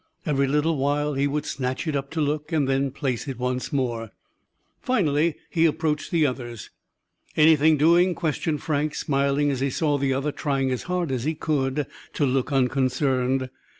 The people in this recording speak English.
Every little while he would snatch it up to look, and then place it once more. Finally he approached the others. "Anything doing?" questioned Frank, smiling as he saw the other trying as hard as he could to look unconcerned.